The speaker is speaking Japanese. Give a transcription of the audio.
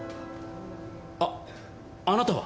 あっあなたは？